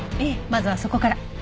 まずはそこから。